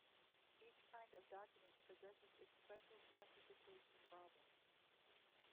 Each kind of document possesses its special classification problems.